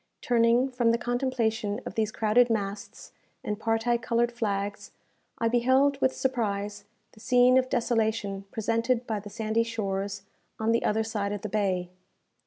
Turning from the contemplation of these crowded masts, and parti coloured flags, I beheld with surprise the scene of desolation presented by the sandy shores on the other side of the bay.